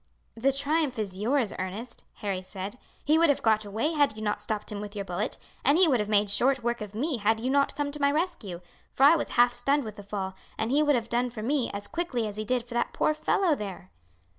"The triumph is yours, Ernest," Harry said. "He would have got away had you not stopped him with your bullet, and he would have made short work of me had you not come to my rescue, for I was half stunned with the fall, and he would have done for me as quickly as he did for that poor fellow there."